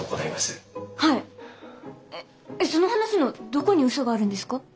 えっその話のどこに嘘があるんですか？